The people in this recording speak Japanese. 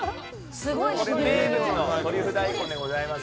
これ名物のトリュフ大根でございます。